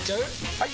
・はい！